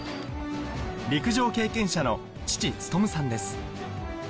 陸上経験者の父努さんです